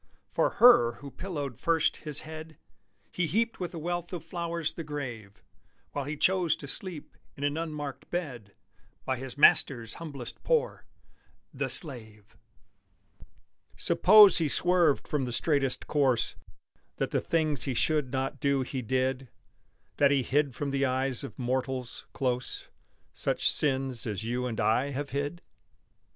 For her who pillowed first his head He heaped with a wealth of flowers the grave, While he chose to sleep in an unmarked bed, By his Master's humblest poor the slave! Suppose he swerved from the straightest course That the things he should not do he did That he hid from the eyes of mortals, close, Such sins as you and I have hid?